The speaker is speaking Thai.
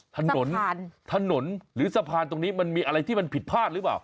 ถนนถนนหรือสะพานตรงนี้มันมีอะไรที่มันผิดพลาดหรือเปล่า